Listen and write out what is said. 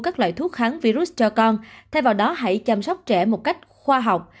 các loại thuốc kháng virus cho con thay vào đó hãy chăm sóc trẻ một cách khoa học